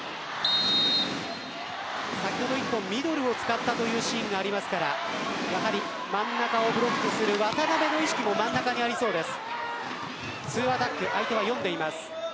先ほど１本ミドルを使ったポイントがありますから真ん中をブロックする渡邊の意識も真ん中にありそうです